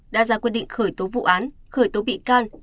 đã ra quyết định khởi tố vụ án khởi tố bị can